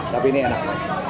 tapi ini enak